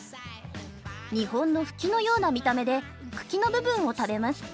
日本のフキのような見た目で茎の部分を食べます。